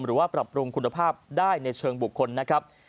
หรือว่าปรับปรุงคุณภาพได้ในเชิงบุคคลนะครับ